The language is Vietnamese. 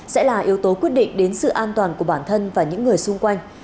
sẽ là yếu tố quyết định đến sự an toàn của bản thân và những người xung quanh